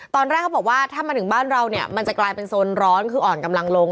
ตอนแรกเขาบอกว่าถ้ามาถึงบ้านเราเนี่ยมันจะกลายเป็นโซนร้อนคืออ่อนกำลังลง